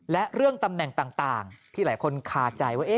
และเรื่องตำแหน่งต่างที่หลายคนคาใจว่า